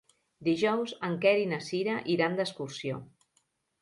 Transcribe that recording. Dijous en Quer i na Cira iran d'excursió.